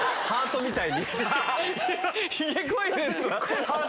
ハートみたいに。